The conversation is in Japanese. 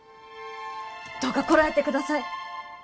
どうかこらえてください。